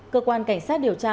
cơ quan cảnh sát điều tra